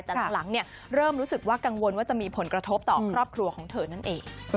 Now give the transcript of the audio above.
แต่หลังเริ่มรู้สึกว่ากังวลว่าจะมีผลกระทบต่อครอบครัวของเธอนั่นเอง